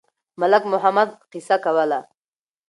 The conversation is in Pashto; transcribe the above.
ملک محمد قصه کوله.